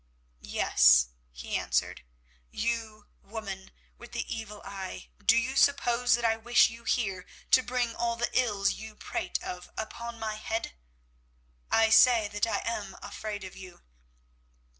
"Yes," he answered. "You, woman with the evil eye, do you suppose that I wish you here to bring all the ills you prate of upon my head? I say that I am afraid of you.